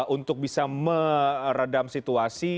untuk bisa meredam situasi